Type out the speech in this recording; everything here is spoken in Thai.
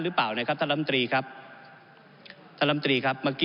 เพราะว่าท่านล้ำตีว่าการกระทรวงคมนาคม